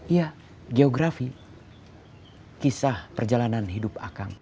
ya geografi kisah perjalanan hidup akang